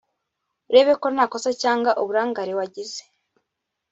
urebe ko nta kosa cyangwa uburangare wagize